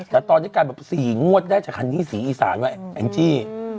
แต่ตอนนี้กลายแบบ๔งวดได้จากคันนี้สีอีสานไว้แองจี้